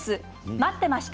待っていました。